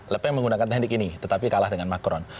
lepeng menggunakan teknik ini tetapi kalah dengan macron